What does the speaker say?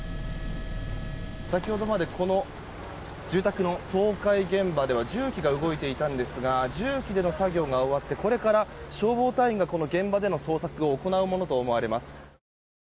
先ほどまでこの住宅の倒壊現場では重機が動いていたんですが重機での作業が終わってこれから消防隊員が現場での捜索を行うものと思われます。